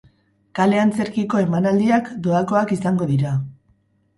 Kale antzerkiko emanaldiak doakoak izango dira.